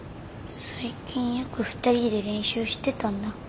最近よく二人で練習してたんだ。